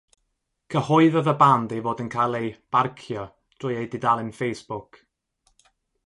Cyhoeddodd y band ei fod yn cael ei "barcio" trwy ei dudalen facebook.